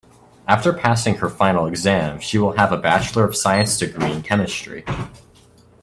After passing her final exam she will have a bachelor of science degree in chemistry.